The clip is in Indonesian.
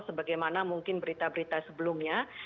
sebagaimana mungkin berita berita sebelumnya